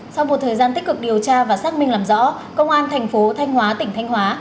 sau một thời gian tích cực điều tra và xác minh làm rõ công an thành phố thanh hóa tỉnh thanh hóa